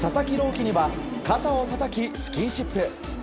希には肩をたたき、スキンシップ。